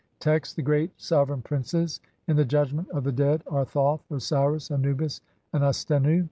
Text : (1) The great sovereign princes in the judgment of the dead are Thoth, Osiris, Anubis, and Astennu.